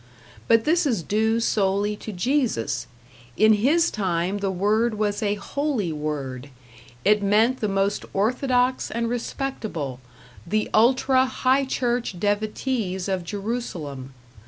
But this is due solely to Jesus; in his time the word was a holy word, it meant the most orthodox and respectable, the ultra high church devotees of Jerusalem.